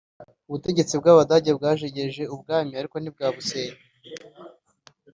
Ubutegetsi bw'Abadage bwajegeje ubwami ariko ntibwabusenya